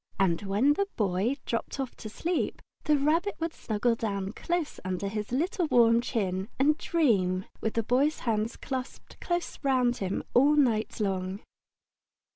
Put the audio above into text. And when the Boy dropped off to sleep, the Rabbit would snuggle down close under his little warm chin and dream, with the Boy's hands clasped close round him all night long.